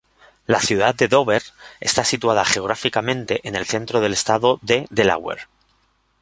La ciudad de Dover está situada geográficamente en el centro del estado de Delaware.